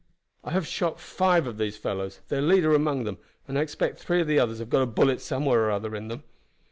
I have shot five of these fellows their leader among them and I expect three of the others have got a bullet somewhere or other in them.